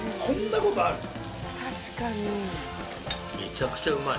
こんなことある？